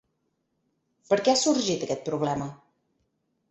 Per què ha sorgit aquest problema?